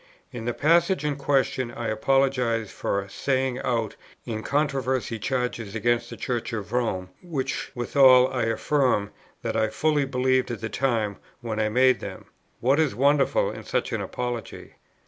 In the passage in question I apologize for saying out in controversy charges against the Church of Rome, which withal I affirm that I fully believed at the time when I made them. What is wonderful in such an apology?